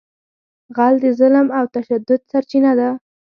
غل د ظلم او تشدد سرچینه ده